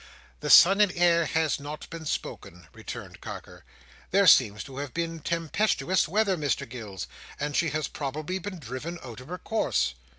"The Son and Heir has not been spoken," returned Carker. "There seems to have been tempestuous weather, Mr Gills, and she has probably been driven out of her course."